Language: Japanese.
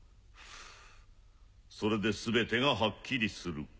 それで全てがはっきりする。